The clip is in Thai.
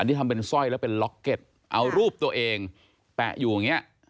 ที่ทำเป็นสร้อยแล้วเป็นล็อกเก็ตเอารูปตัวเองแปะอยู่อย่างนี้